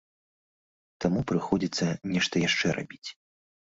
Таму прыходзіцца нешта яшчэ рабіць.